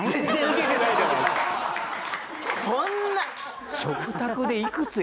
こんな。